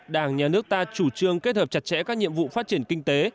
đảng nhà nước ta chủ trương kết hợp chặt chẽ các nhiệm vụ phát triển kinh tế